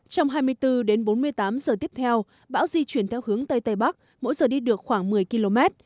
trong hai mươi bốn đến bốn mươi tám giờ tiếp theo bão di chuyển theo hướng tây tây bắc mỗi giờ đi được khoảng một mươi km